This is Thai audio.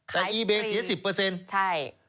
แต่อีเบย์เสีย๑๐ใช่